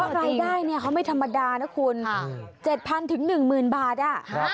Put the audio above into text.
เพราะรายได้เขาไม่ธรรมดานะคุณ๗๐๐๐๑๐๐๐๐บาทอ่ะ